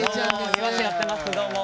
庭師やってますどうも。